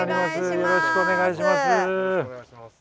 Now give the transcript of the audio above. よろしくお願いします。